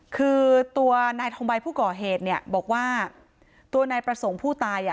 คือตัวนายทองใบผู้ก่อเหตุเนี่ยบอกว่าตัวนายประสงค์ผู้ตายอ่ะ